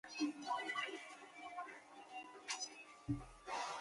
后期增加的则有助于改善横摇问题。